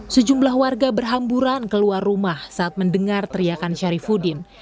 sejumlah warga berhamburan keluar rumah saat mendengar teriakan syarifudin